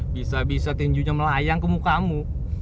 bisa bisa tinjunya melayang kemukamu